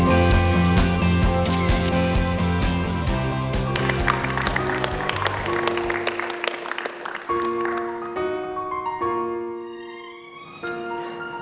aku bisa berkata kata